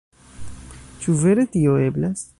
Ĉu vere tio eblas?